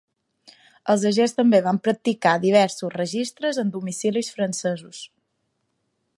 Els agents també van practicar diversos registres en domicilis francesos.